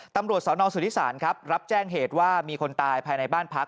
ตำรวจสนสุธิศาลครับรับแจ้งเหตุว่ามีคนตายภายในบ้านพัก